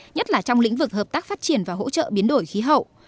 nhất là trong lĩnh vực hợp tác phát triển và hỗ trợ biến đổi khí hậu